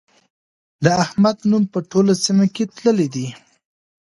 د احمد نوم په ټوله سيمه کې تللی دی.